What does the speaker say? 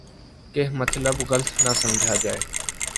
کہ مطلب غلط نہ سمجھا جائے۔